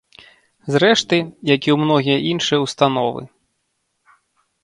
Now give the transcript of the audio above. Зрэшты, як і ў многія іншыя ўстановы.